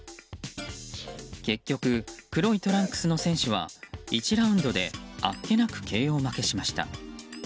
結局、黒いトランクスの選手は１ラウンドであっけなくＫＯ負けしました。